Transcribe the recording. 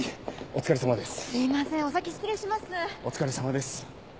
お疲れさまです。